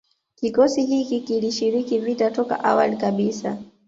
Kikosi hiki kilishiriki vita toka awali kabisa